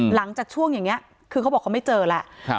หลังจากช่วงอย่างนี้คือเขาบอกเขาไม่เจอแล้ว